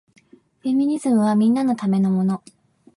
フェミニズムはみんなのためのもの